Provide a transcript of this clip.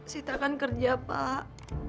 sita kan kerja pak